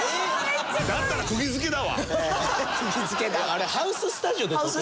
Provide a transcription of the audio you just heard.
あれハウススタジオで撮ってたの？